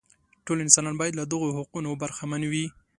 ټول انسانان باید له دغو حقونو برخمن وي.